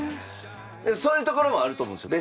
そういう所もあると思うんですよ。